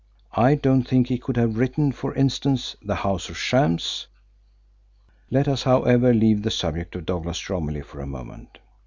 I don't think he could have written, for instance, 'The House of Shams.' Let us, however, leave the subject of Douglas Romilly for a moment.